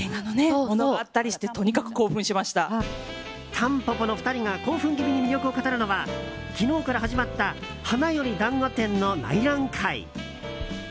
たんぽぽの２人が興奮気味に魅力を語るのは昨日から始まった「花より男子展」の内覧会。